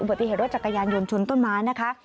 ปฏิเหตุรถจักรยานยนต์ชนต้นไม้นะคะ